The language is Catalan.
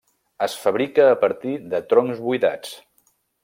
Es fabrica a partir de troncs buidats.